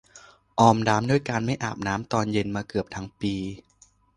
ออมน้ำด้วยการไม่อาบน้ำตอนเย็นมาเกือบทั้งปี